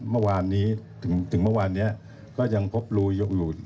เมื่อวานนี้ถึงเมื่อวานนี้ก็ยังพบรูอยู่